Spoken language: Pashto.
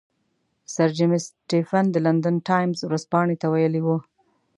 سر جیمز سټیفن د لندن ټایمز ورځپاڼې ته ویلي وو.